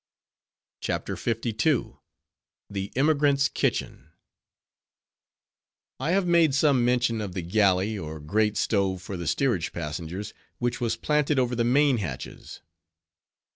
CHAPTER LII. THE EMIGRANTS' KITCHEN I have made some mention of the "galley," or great stove for the steerage passengers, which was planted over the main hatches.